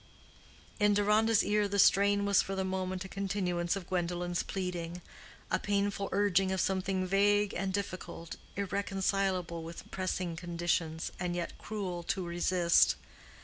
In Deronda's ear the strain was for the moment a continuance of Gwendolen's pleading—a painful urging of something vague and difficult, irreconcilable with pressing conditions, and yet cruel to resist.